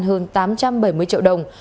hơn tám trăm bảy mươi triệu đồng